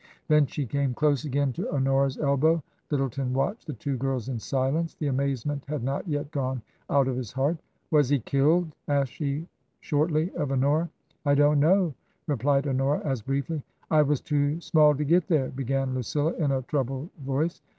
Then she came close again to Honora's elbow. Lyttle ton watched the two girls in silence; the amazement had not yet gone out of his heart. " Was he killed ?" asked she shortly of Honora. " I don't know," replied Honora as briefly. " I was too small to get there," began Lucilla, in a troubled voice.